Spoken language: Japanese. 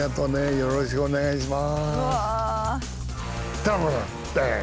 よろしくお願いします！